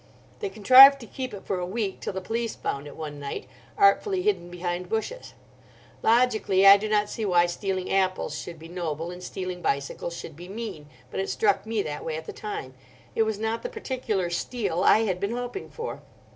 They contrived to keep it for a week—till the police found it one night, artfully hidden behind bushes. Logically, I do not see why stealing apples should be noble and stealing bicycles should be mean, but it struck me that way at the time. It was not the particular steal I had been hoping for.